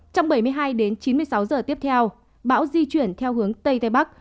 trong bảy mươi hai đến chín mươi sáu giờ tiếp theo bão di chuyển theo hướng tây tây bắc